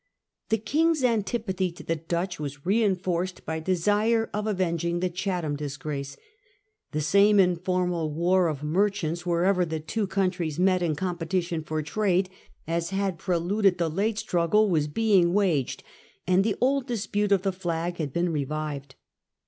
The King's antipathy to the Dutch was rein forced by desire of avenging the Chatham disgrace ; the same informal war of merchants wherever the two countries met in competition for trade, as had pre luded the late struggle, was being waged ; and the old dispute of the flag had been revived.